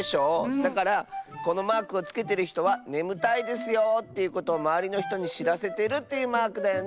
だからこのマークをつけてるひとはねむたいですよということをまわりのひとにしらせてるというマークだよね。